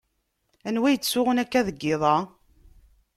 Anwa yettsuɣun akka deg iḍ-a?